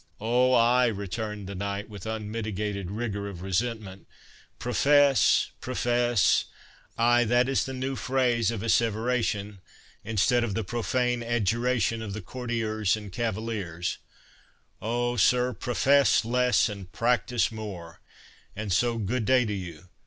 "O ay!" returned the knight, with unmitigated rigour of resentment— "profess—profess—Ay, that is the new phrase of asseveration, instead of the profane adjuration of courtiers and cavaliers—Oh, sir, profess less and practise more—and so good day to you.